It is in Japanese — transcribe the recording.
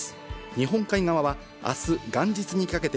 日本海側は明日、元日にかけて